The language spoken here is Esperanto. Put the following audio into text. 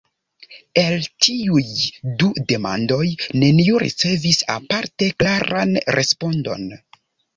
El tiuj du demandoj neniu ricevis aparte klaran respondon.